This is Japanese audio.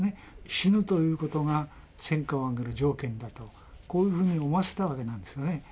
死ぬということが戦果を上げる条件だとこういうふうに思わせたわけなんですよね。